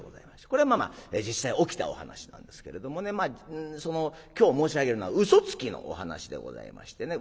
これはまあ実際起きたお話なんですけれどもねまあその今日申し上げるのは嘘つきのお噺でございましてね。